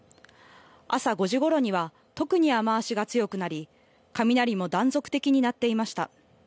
朝５時ごろには特に雨足が強くなり、雷も断続的に鳴っていました。